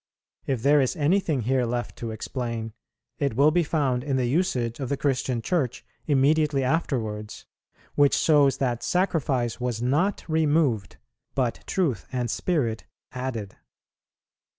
If there is anything here left to explain, it will be found in the usage of the Christian Church immediately afterwards, which shows that sacrifice was not removed, but truth and spirit added.